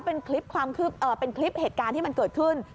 เป็นคลิปเหตุการณ์ที่มันเกิดขึ้น